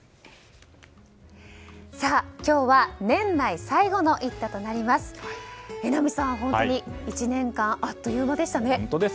さあ、今日は年内最後の「イット！」となります。